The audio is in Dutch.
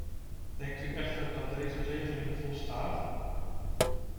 Denkt u echter dat deze regeling volstaat?